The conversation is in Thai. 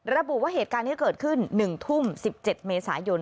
ระบุว่าเหตุการณ์ที่เกิดขึ้น๑ทุ่ม๑๗เมษายน